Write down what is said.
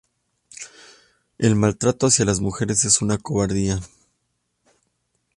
El maltrato hacia las mujeres es una cobardía